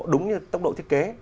đúng như tốc độ thiết kế